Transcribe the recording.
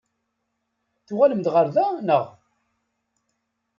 Tuɣalem-d ɣer da, naɣ?